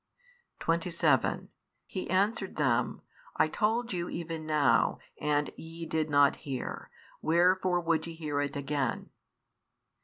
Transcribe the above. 27 He answered them, I told yon even now, and ye did not hear: wherefore would ye hear it again?